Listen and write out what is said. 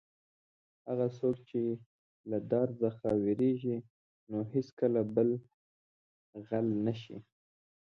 هغه څوک چې له دار څخه وېرېږي نو هېڅکله به غل نه شي.